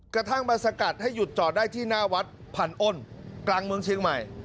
กระทั่งมาสกัดให้หยุดจอดได้ที่หน้าวัดพันอ้นกลางเมืองเชียงใหม่